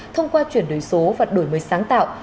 thông qua chuyển đổi số và đổi mới sáng tạo